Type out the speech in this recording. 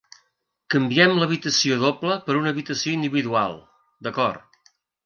Canviem l'habitació doble per una habitació individual, d'acord.